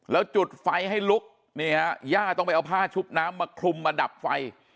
แล้วจุดไฟให้ลุกนี่ฮะย่าต้องไปเอาผ้าชุบน้ำมาคลุมมาดับไฟ